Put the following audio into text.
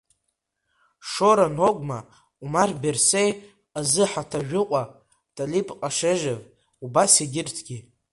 Шора Ногәма, Умар Берсеи, Ҟазы Ҳаҭажәыҟәа, Ҭалиб Кашежев убас егьырҭгьы.